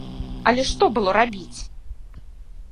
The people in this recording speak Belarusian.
Але што было рабіць?